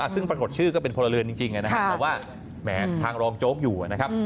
ซึ่งปรากฏชื่อก็เป็นพลเรือนจริงนะครับแต่ว่าแหมทางรองโจ๊กอยู่นะครับ